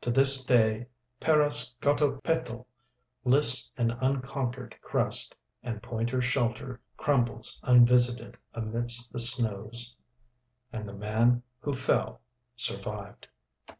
To this day Parascotopetl lifts an unconquered crest, and Pointer's shelter crumbles unvisited amidst the snows. And the man who fell survived.